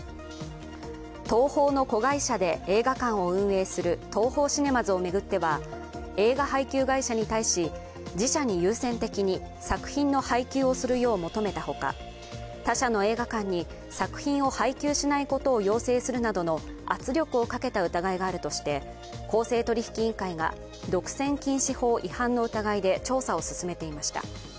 東宝の子会社で映画館を運営するＴＯＨＯシネマズを巡っては映画配給会社に対し、自社に優先的に作品の配給をするよう求めたほか、他社の映画館に作品を配給しないことを要請するなどの圧力をかけた疑いがあるとして公正取引委員会が独占禁止法違反の疑いで調査を進めていました。